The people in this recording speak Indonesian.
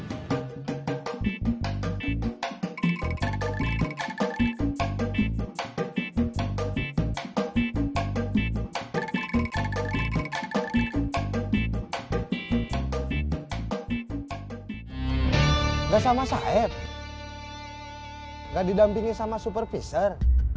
tidak sama saya tidak didampingi sama supervisor